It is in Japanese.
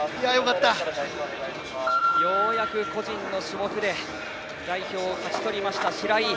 ようやく個人の種目で代表を勝ち取りました、白井。